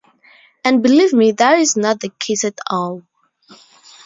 And believe me that is not the case at all.